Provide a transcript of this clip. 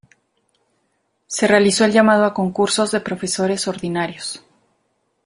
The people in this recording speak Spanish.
Se realizó el llamado a Concursos de Profesores Ordinarios.